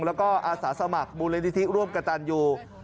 แล้วก็อาศาสมัครบูรณิธิร่วมกับตันอยู่